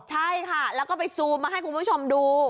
ใช่ค่ะแล้วก็ไปซูมมาให้คุณผู้ชมดู